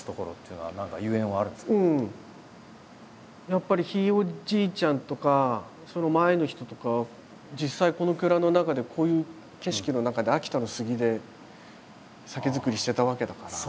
やっぱりひいおじいちゃんとかその前の人とか実際この蔵の中でこういう景色の中で秋田の杉で酒造りしてたわけだから。